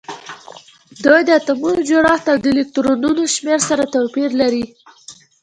د دوی د اتومونو جوړښت او د الکترونونو شمیر سره توپیر لري